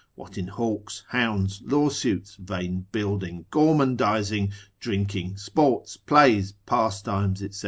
what in hawks, hounds, lawsuits, vain building, gormandising, drinking, sports, plays, pastimes, &c.